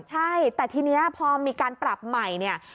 ใช่แต่ทีนี้พอมีการปรับใหม่เนี่ย